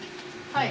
はい。